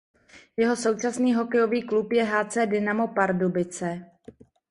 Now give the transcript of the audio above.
Jeho současný hokejový klub je Hc Dynamo Pardubice.